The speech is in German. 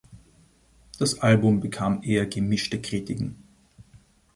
Das Album bekam eher gemischte Kritiken.